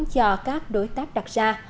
do các đối tác đặt ra